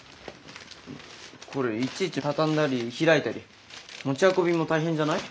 これいちいち畳んだり開いたり持ち運びも大変じゃない？